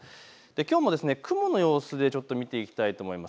きょうの雲の様子で見ていきたいと思います。